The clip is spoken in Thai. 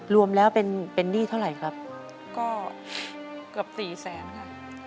รวมแล้วเป็นหนี้เท่าไหร่ครับก็เกือบสี่แสนค่ะ